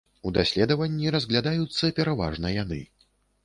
У даследаванні разглядаюцца пераважна яны.